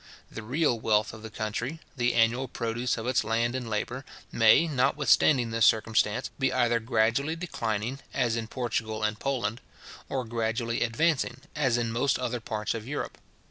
The real wealth of the country, the annual produce of its land and labour, may, notwithstanding this circumstance, be either gradually declining, as in Portugal and Poland; or gradually advancing, as in most other parts of Europe.